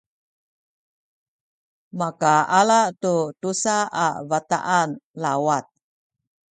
makaala tu tusa a bataan lawat